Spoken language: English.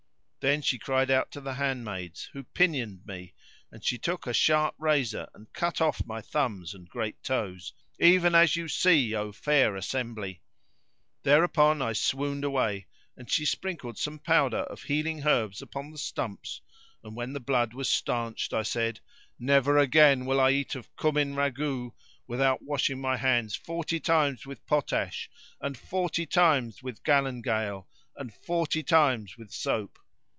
Then she cried out to the handmaids, who pinioned me; and she took a sharp razor and cut off my thumbs and great toes; even as you see, O fair assembly! Thereupon I swooned away, and she sprinkled some powder of healing herbs upon the stumps and when the blood was staunched, I said, "Never again will I eat of cumin ragout without washing my hands forty times with potash and forty times with galangale and forty times with soap!"